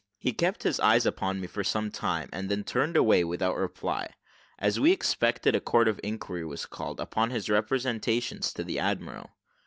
He kept his eyes upon me for some time, and then turned away, without reply. As we expected, a court of inquiry was called, upon his representations to the admiral.